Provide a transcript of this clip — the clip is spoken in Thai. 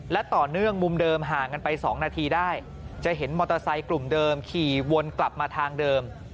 และต่อเนื่องมุมเดิมห่างกันไป๒นาทีได้จะเห็นมอเตอร์ไซค์กลุ่มเดิมขี่วนกลับมาทางเดิม